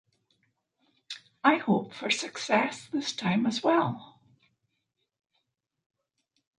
I hope for success this time, as well.